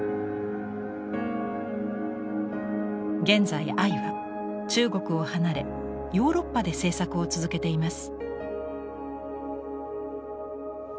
現在アイは中国を離れヨーロッパで制作を続けています。